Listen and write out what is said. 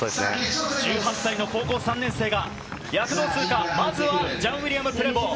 １８歳の高校３年生が躍動するか、まずはジャン・ウイリアム・プレボー。